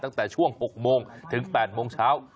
ตั้งแต่ช่วง๖โมงถึง๘โมงเช้า